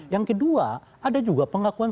yang kedua ada juga pengakuan